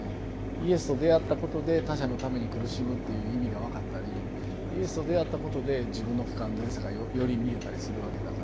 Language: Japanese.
イエスと出会ったことで他者のために苦しむっていう意味が分かったりイエスと出会ったことで自分の不完全さがより見えたりするわけだから。